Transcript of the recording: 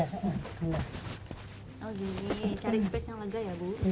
oh gini cari space yang lega ya bu